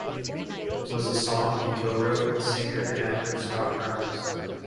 It was a song he co-wrote with singer and actor Scott Grimes.